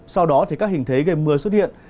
sau đó thì các hình thế gây mưa xuất hiện